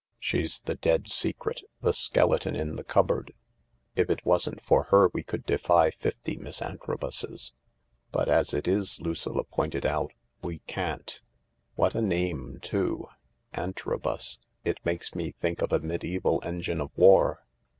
She's the dead secret, the skeleton in the cupboard. If it wasn't for her we could defy fifty Miss Antrobuses." "But as it is," Lucilla pointed out, "we can't." " What a name too ! Antrobus ! It makes me think of a mediaeval engine of war.